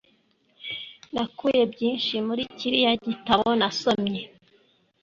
Nakuye byinshi muri kiriya gitabo nasomye.